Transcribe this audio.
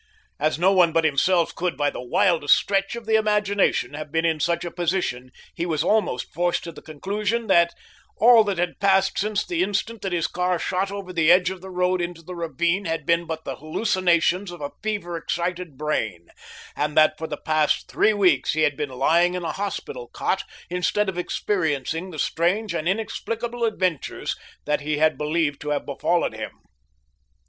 As no one but himself could, by the wildest stretch of imagination, have been in such a position, he was almost forced to the conclusion that all that had passed since the instant that his car shot over the edge of the road into the ravine had been but the hallucinations of a fever excited brain, and that for the past three weeks he had been lying in a hospital cot instead of experiencing the strange and inexplicable adventures that he had believed to have befallen him.